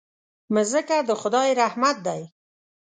مځکه د خدای رحمت دی.